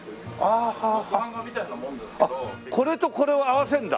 あっこれとこれを合わせるんだ？